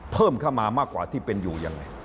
เพิ่มเข้ามามากกว่าที่เป็นอยู่ยังไง